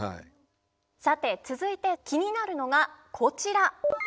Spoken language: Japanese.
さて続いて気になるのがこちら。